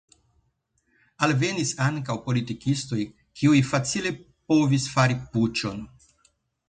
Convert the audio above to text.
Alvenis ankaŭ politikistoj, kiuj facile povis fari puĉon.